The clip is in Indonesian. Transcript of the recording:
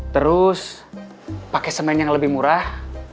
terus pakai semen yang lebih murah